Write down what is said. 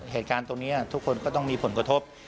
เหตุการณ์ตรงนี้ทุกคนก็ต้องมีผลกระทบ